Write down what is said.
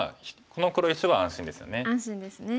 この黒石は安心ですよね。